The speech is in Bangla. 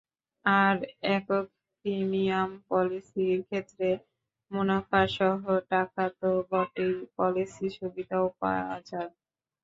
আর, একক প্রিমিয়াম পলিসির ক্ষেত্রে মুনাফাসহ টাকা তো বটেই, পলিসি সুবিধাও পাওয়া যায়।